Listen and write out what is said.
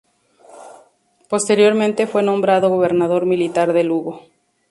Posteriormente fue nombrado gobernador militar de Lugo.